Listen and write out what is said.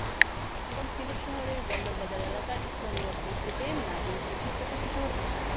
তখন সিলেট শহরের বন্দরবাজার এলাকার ইসলামিয়া প্রেস থেকে নাগরি পুঁথি প্রকাশিত হতো।